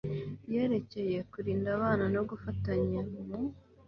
yerekeye kurinda abana no gufatanya mu